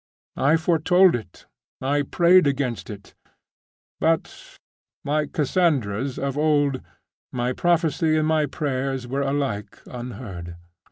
I foretold it; I prayed against it; but, like Cassandra's of old, my prophecy and my prayers were alike unheard.